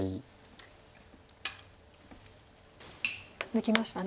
抜きましたね。